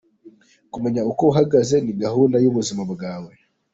Kumenya uko uhagaze ni gahunda y’ubuzima bwawe